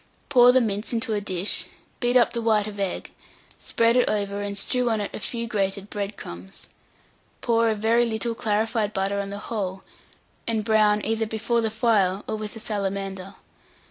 Pour the mince into a dish, beat up the white of egg, spread it over, and strew on it a few grated bread crumbs; pour a very little clarified butter on the whole, and brown either before the fire or with a salamander.